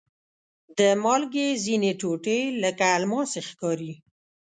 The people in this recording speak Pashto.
د مالګې ځینې ټوټې لکه الماس ښکاري.